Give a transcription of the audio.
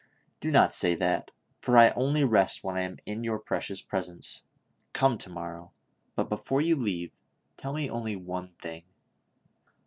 " Do not say that, for I only rest when I am in your precious presence ; come to morrow ; but, before you leave me, tell me only one thing.